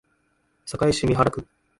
堺市美原区